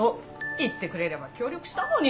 言ってくれれば協力したのに。